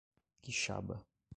Quixaba